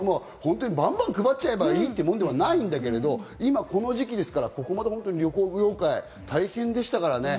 ばんばん配っちゃえばいいっていうものでもないんだけど、この時期ですから旅行業界大変でしたからね。